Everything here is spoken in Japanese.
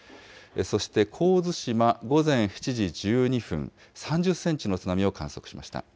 そして神津島、午前７時１２分、３０センチの津波を観測しました。